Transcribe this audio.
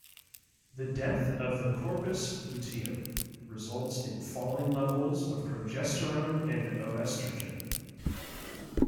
The death of the corpus luteum results in falling levels of progesterone and oestrogen.